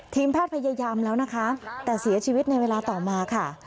ทีมแพทย์พยายามแล้วนะคะแต่เสียชีวิตในเวลาต่อมาค่ะ